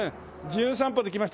『じゅん散歩』で来ました